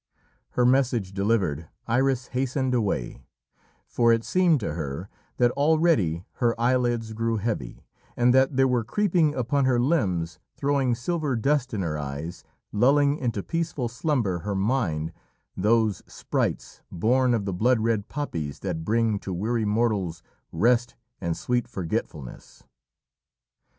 Her message delivered, Iris hastened away, for it seemed to her that already her eyelids grew heavy, and that there were creeping upon her limbs, throwing silver dust in her eyes, lulling into peaceful slumber her mind, those sprites born of the blood red poppies that bring to weary mortals rest and sweet forgetfulness.